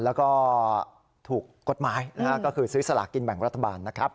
แล้วก็ถูกกฎหมายนะฮะก็คือซื้อสลากินแบ่งรัฐบาลนะครับ